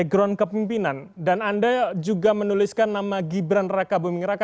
background kepimpinan dan anda juga menuliskan nama gibran raka buming raka